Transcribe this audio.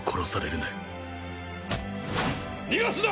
逃がすな！